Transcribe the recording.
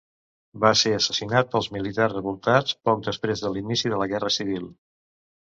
Va ser assassinat pels militars revoltats poc després de l'inici de la Guerra Civil.